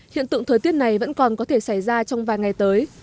hiện tượng thời tiết này vẫn còn có thể xảy ra trong vài ngày tới